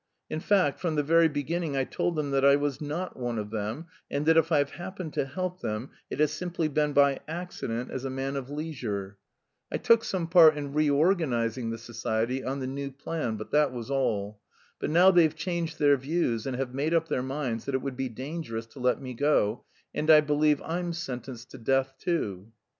In fact, from the very beginning I told them that I was not one of them, and that if I've happened to help them it has simply been by accident as a man of leisure. I took some part in reorganising the society, on the new plan, but that was all. But now they've changed their views, and have made up their minds that it would be dangerous to let me go, and I believe I'm sentenced to death too."